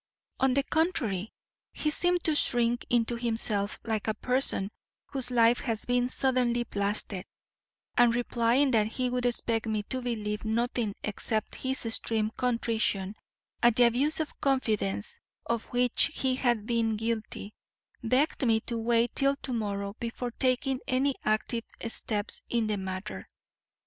On the contrary he seemed to shrink into himself like a person whose life has been suddenly blasted, and replying that he would expect me to believe nothing except his extreme contrition at the abuse of confidence of which he had been guilty, begged me to wait till to morrow before taking any active steps in the matter.